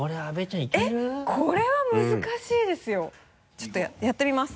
ちょっとやってみます。